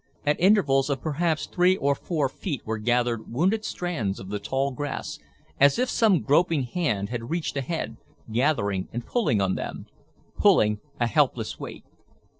At intervals of perhaps three or four feet were gathered wounded strands of the tall grass, as if some groping hand had reached ahead, gathering and pulling on them. Pulling a helpless weight.